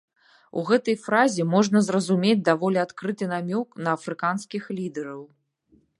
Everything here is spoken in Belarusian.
У гэтай фразе можна зразумець даволі адкрыты намёк на афрыканскіх лідэраў.